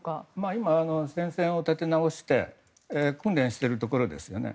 今、戦線を立て直して訓練をしているところですね。